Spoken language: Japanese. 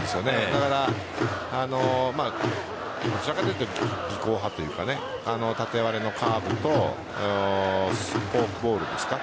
だから、どちらかというと技巧派というか縦割れのカーブとフォークボールですか。